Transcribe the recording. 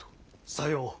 さよう。